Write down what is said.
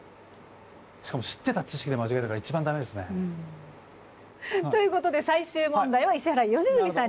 しかも知ってた知識で間違えたから一番駄目ですね。ということで最終問題は石原良純さんに出していただきました。